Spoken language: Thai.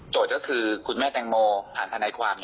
ก็คือคุณแม่แตงโมผ่านทนายความ